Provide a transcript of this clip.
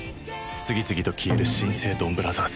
次々と消える新生ドンブラザーズ。